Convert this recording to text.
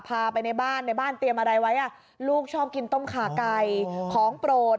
พาไปในบ้านในบ้านเตรียมอะไรไว้อ่ะลูกชอบกินต้มขาไก่ของโปรด